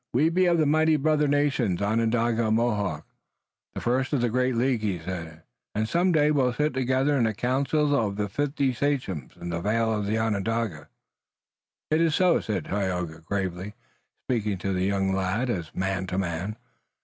"We be of the mighty brother nations, Onondaga and Mohawk, the first of the great League," he said, "and some day we will sit together in the councils of the fifty sachems in the vale of Onondaga." "It is so," said Tayoga gravely, speaking to the young lad as man to man.